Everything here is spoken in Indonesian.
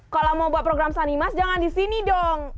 kalau mau buat program sanimas jangan di sini dong